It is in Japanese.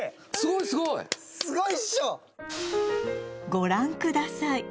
ご覧ください